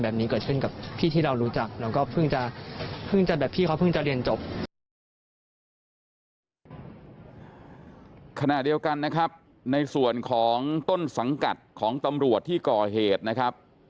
แบบนี้เกิดขึ้นกับพี่ที่เรารู้จักแล้วก็เพิ่งแบบพี่เค้า